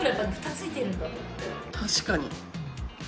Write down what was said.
確かに。